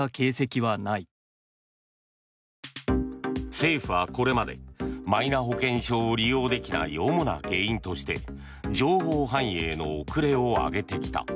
政府はこれまでマイナ保険証を利用できない主な原因として情報反映の遅れを挙げてきた。